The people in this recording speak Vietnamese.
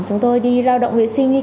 chúng tôi đi lao động vệ sinh